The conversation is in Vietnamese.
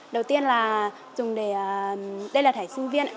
đầu tiên là dùng để đây là thẻ sinh viên